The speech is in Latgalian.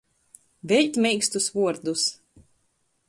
Veļt meikstus vuordus.